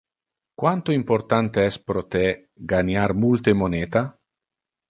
Quanto importante es pro te ganiar multe moneta?